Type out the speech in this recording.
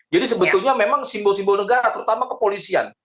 jadi sebetulnya memang simbol simbol negara terutama kepolisian